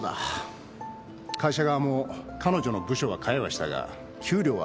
会社側も彼女の部署は変えはしたが給料は上げてる。